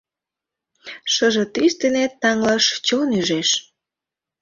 Шыже тӱс дене таҥлаш чон ӱжеш.